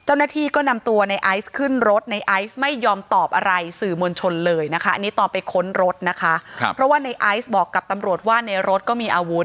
อันนี้ตอนไปค้นรถนะคะเพราะว่าในไอซ์บอกกับตำรวจว่าในรถก็มีอาวุธ